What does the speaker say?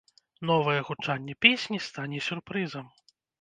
Новае гучанне песні стане сюрпрызам.